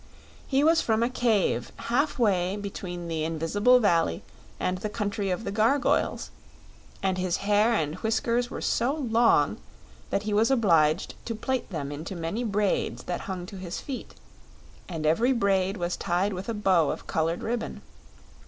He was from a cave halfway between the Invisible Valley and the Country of the Gargoyles, and his hair and whiskers were so long that he was obliged to plait them into many braids that hung to his feet, and every braid was tied with a bow of colored ribbon.